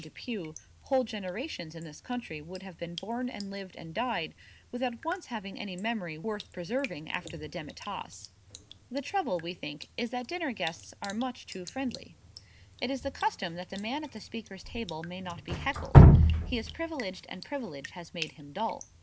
Depew whole generations in this country would have been born and lived and died without once having any memory worth preserving after the demitasse. The trouble, we think, is that dinner guests are much too friendly. It is the custom that the man at the speakers' table may not be heckled. He is privileged and privilege has made him dull.